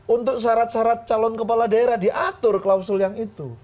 untuk syarat syarat calon kepala daerah diatur klausul yang itu